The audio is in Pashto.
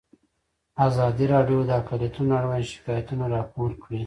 ازادي راډیو د اقلیتونه اړوند شکایتونه راپور کړي.